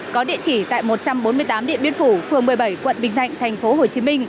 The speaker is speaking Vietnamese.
có địa chỉ tại một trăm bốn mươi tám điện biên phủ phường một mươi bảy quận bình thạnh tp hcm